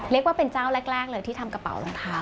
เรียกว่าเป็นเจ้าแรกเลยที่ทำกระเป๋ารองเท้า